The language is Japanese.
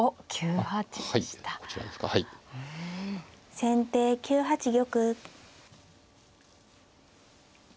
先手９八玉。